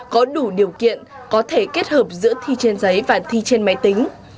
có đủ điều kiện có thể kết hợp giữa thi trên giấy và thi trên máy tính